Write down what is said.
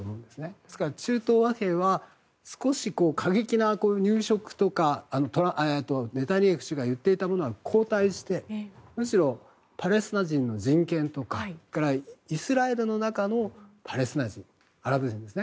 ですから、中東和平は少し過激な入植とかネタニヤフ氏が言っていたものは後退してむしろパレスチナ人の人権とかイスラエルの中のパレスチナ人アラブ人ですね。